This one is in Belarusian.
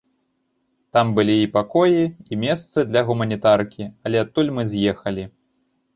Там былі і пакоі, і месца для гуманітаркі, але адтуль мы з'ехалі.